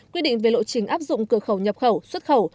quy định về lộ trình áp dụng cửa khẩu nhập khẩu xuất khẩu